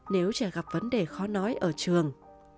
nếu trẻ gặp vấn đề khó nói ở trường